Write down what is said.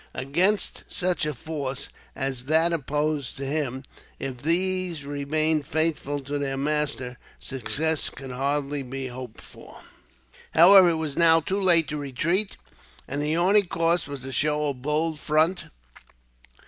Against such a force as that opposed to him, if these remained faithful to their master, success could hardly be hoped for. However, it was now too late to retreat, and the only course was to show a bold front.